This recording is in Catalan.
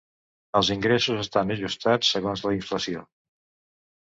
Els ingressos estan ajustats segons la inflació.